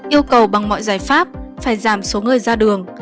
yêu cầu bằng mọi giải pháp phải giảm số người ra đường